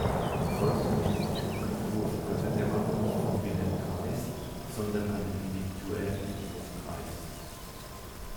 Man folgte nicht dem Typen-Entwurf "Götterdämmerung" von Wilhelm Kreis, sondern einem individuellen Entwurf Kreis’.